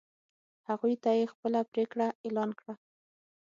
هغوی ته یې خپله پرېکړه اعلان کړه.